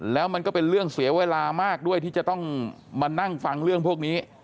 แล้วมันก็เป็นเรื่องเสียเวลามากด้วยที่จะต้องมานั่งฟังเรื่องพวกนี้